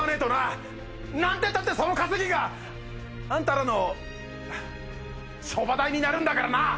なんてったってその稼ぎがあんたらのショバ代になるんだからな。